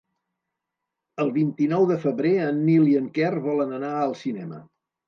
El vint-i-nou de febrer en Nil i en Quer volen anar al cinema.